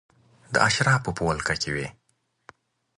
د اشرافو په ولکه کې وې.